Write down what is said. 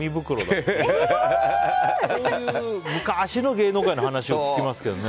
そういう昔の芸能界の話を聞きますけどね。